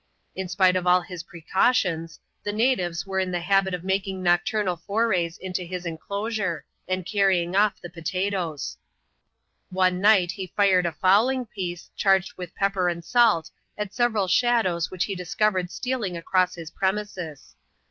In spite of all his precautions, the natives were in the habit of making nocturnal forays into his inclosure, and carrying oft the potatoes. One night he fired a fowling piece, charged with pepper and salt, at several shadows which he discovered steal ing across his premises.